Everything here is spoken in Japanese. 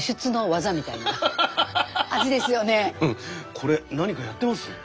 これ何かやってます？